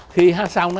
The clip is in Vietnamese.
khi hát xong